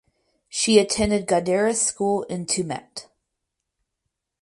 She attended Gadara School in Tumut.